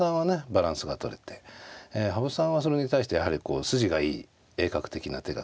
バランスがとれて羽生さんはそれに対してやはりこう筋がいい鋭角的な手が好きですのでね